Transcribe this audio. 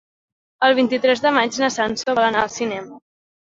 El vint-i-tres de maig na Sança vol anar al cinema.